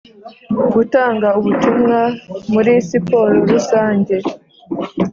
gutanga ubutumwa muri siporo rusange;